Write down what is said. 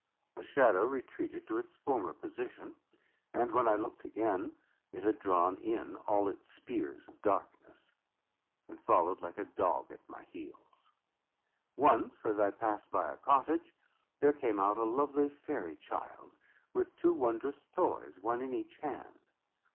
The shadow retreated to its former position; and when I looked again, it had drawn in all its spears of darkness, and followed like a dog at my heels. Once, as I passed by a cottage, there came out a lovely fairy child, with two wondrous toys, one in each hand.